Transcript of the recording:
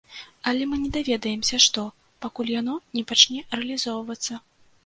Але мы не даведаемся, што, пакуль яно не пачне рэалізоўвацца.